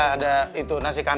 ray aku temenin mama beneran